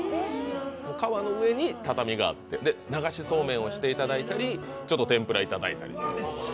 川の上に畳があって流しそうめんをしていただいたり天ぷらいただいたり。